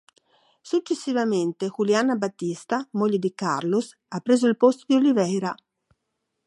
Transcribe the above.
Successivamente, Juliana Batista, moglie di Carlos, ha preso il posto di Oliveira.